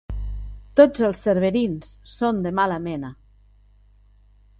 Tots els cerverins són de mala mena.